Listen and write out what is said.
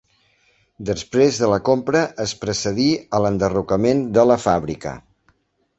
Després de la compra es precedí a l'enderrocament de la fàbrica.